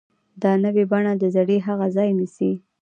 دا نوې بڼه د زړې هغې ځای نیسي.